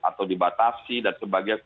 atau dibatasi dan sebagainya